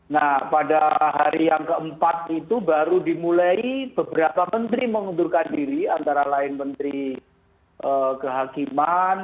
nah pada hari yang keempat itu baru dimulai beberapa menteri mengundurkan diri antara lain menteri kehakiman